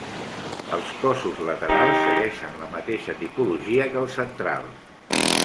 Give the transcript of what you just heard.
Els cossos laterals segueixen la mateixa tipologia que el central.